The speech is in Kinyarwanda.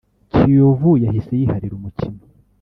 Kiyovu yahise yiharira umukino